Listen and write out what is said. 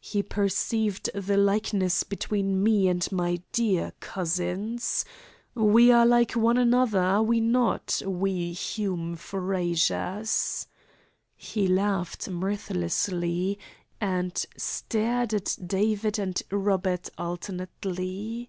He perceived the likeness between me and my dear cousins. We are like one another, are we not, we Hume Frazers?" He laughed mirthlessly, and stared at David and Robert alternately.